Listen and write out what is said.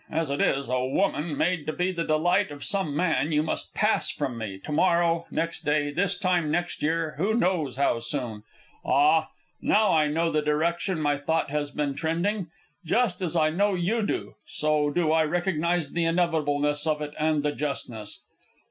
As it is, a woman, made to be the delight of some man, you must pass from me to morrow, next day, this time next year, who knows how soon? Ah? now I know the direction my thought has been trending. Just as I know you do, so do I recognize the inevitableness of it and the justness.